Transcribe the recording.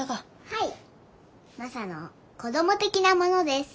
はいマサの子ども的なものです。